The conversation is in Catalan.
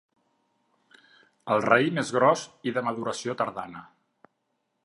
El raïm és gros i de maduració tardana.